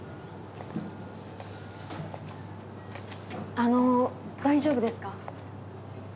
あの大丈夫ですか？